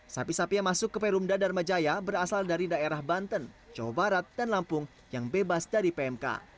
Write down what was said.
sapi sapi yang masuk ke perumda dharma jaya berasal dari daerah banten jawa barat dan lampung yang bebas dari pmk